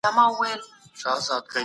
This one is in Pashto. پښتانه په هر ډګر کي تکړه دي.